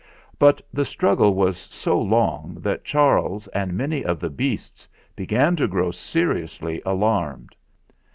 But the struggle was so long that Charles and many of the beasts began to grow seriously alarmed.